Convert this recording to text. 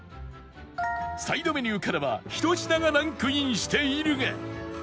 サイドメニューからは１品がランクインしているが